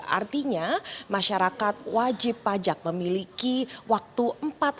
artinya masyarakat wajib pajak memiliki waktu empat jam